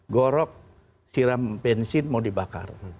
gorok siram bensin mau dibakar